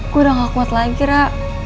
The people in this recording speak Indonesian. gue udah gak kuat lagi ra